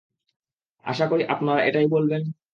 আশা করি আপনারা এটাই বলবেন?